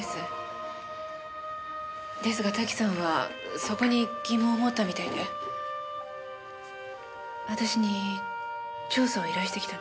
ですが瀧さんはそこに疑問を持ったみたいで私に調査を依頼してきたんです。